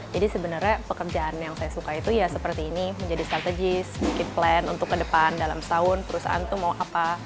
jadi sebenarnya pekerjaan yang saya suka itu ya seperti ini menjadi strategis bikin plan untuk ke depan dalam setahun perusahaan itu mau apa